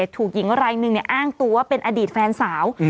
ถูกหญิงรายหนึ่งอ้างตัวว่าเป็นอดีตแฟนสาว